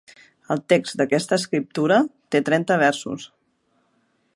El text d'aquesta escriptura té trenta versos.